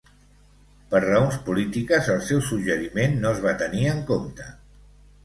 Per raons polítiques, el seu suggeriment no es va tenir en compte.